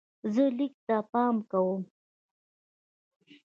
زه لیک ته پام کوم.